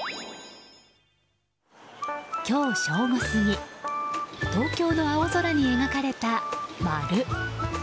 今日正午過ぎ東京の青空に描かれた○。